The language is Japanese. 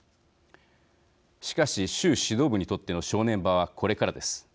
しかし、習指導部にとっての正念場はこれからです。